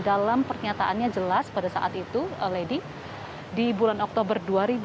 dalam pernyataannya jelas pada saat itu lady di bulan oktober dua ribu dua puluh